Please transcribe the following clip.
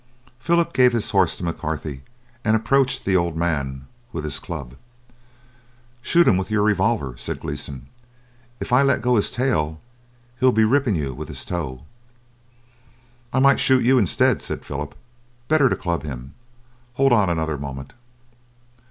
Philip gave his horse to McCarthy and approached the "old man" with his club. "Shoot him with your revolver," said Gleeson. "If I let go his tail, he'll be ripping you with his toe." "I might shoot you instead," said Philip; "better to club him. Hold on another moment."